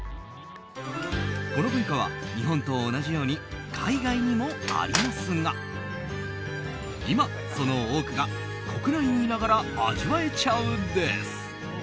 この文化は日本と同じように海外にもありますが今、その多くが国内にいながら味わえちゃうんです。